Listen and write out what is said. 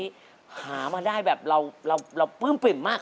หามาได้แบบเราปลื้มปริ่มมาก